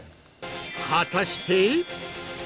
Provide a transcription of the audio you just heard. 果たして！